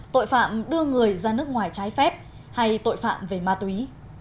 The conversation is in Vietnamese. tội phạm đưa người ra nước ngoài trái phép hay tội phạm về ma túy